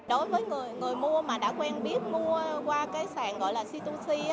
đối với người mua mà đã quen biết mua qua cái sàn gọi là c hai c